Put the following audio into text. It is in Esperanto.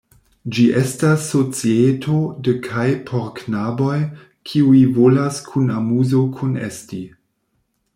Ĝi estas societo de kaj por knaboj, kiuj volas kun amuzo kunesti.